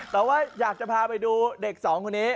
แต่ว่าอยากจะพาไปดูเด็กสองคนนี้